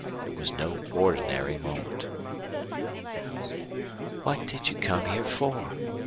It was no ordinary moment. "What did you come here for?"